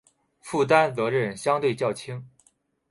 负担责任相对较轻